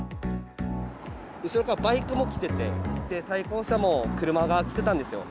後ろからバイクも来てて、対向車も車が来てたんですよ。